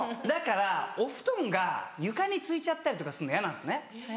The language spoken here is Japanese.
だからお布団が床についちゃったりとかするの嫌なんですね。